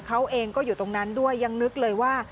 เขาเองก็อยู่ตรงนั้นด้วยยังนึกเลยว่า